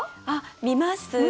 あっ見ます。